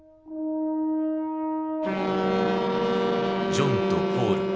ジョンとポール。